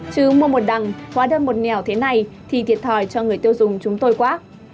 chứ mua một đằng hóa đơn một nẻo thế này thì thiệt thòi cho người tiêu dùng chúng tôi quá